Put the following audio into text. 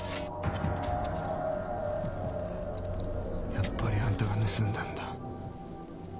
やっぱりあんたが盗んだんだ。